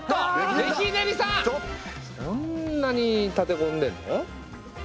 そんなに立てこんでんの？